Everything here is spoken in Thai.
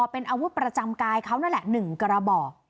เป็นอาวุธประจำกายเขานั่นแหละ๑กระบอก